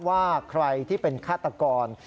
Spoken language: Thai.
ว่าใครที่เป็นฆาตกร